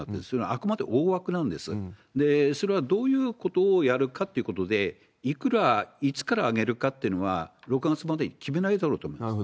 あくまでもそれはどういうことをやるかっていうことで、イクラ、いつから上げるかというのは６月までに決めないだろうと思います。